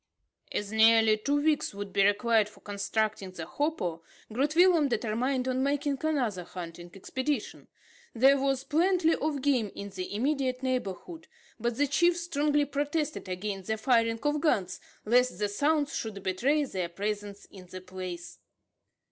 As nearly two weeks would be required for constructing the hopo, Groot Willem determined on making another hunting expedition. There was plenty of game in the immediate neighbourhood; but the chief strongly protested against the firing of guns, lest the sounds should betray their presence in the place.